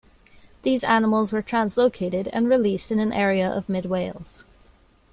These animals were translocated and released in an area of mid-Wales.